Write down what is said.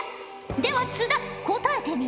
では津田答えてみよ。